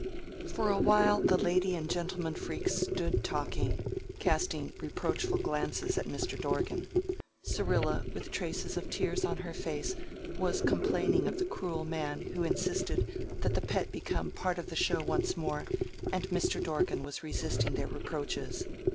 For a while the lady and gentleman freaks stood talking, casting reproachful glances at Mr. Dorgan. Syrilla, with traces of tears on her face, was complaining of the cruel man who insisted that the Pet become part of the show once more and Mr. Dorgan was resisting their reproaches.